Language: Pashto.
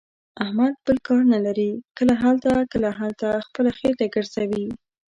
احمد بل کار نه لري. کله هلته، کله هلته، خپله خېټه ګرځوي.